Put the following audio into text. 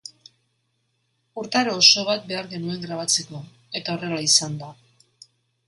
Urtaro oso bat behar genuen grabatzeko, eta horrela izan da.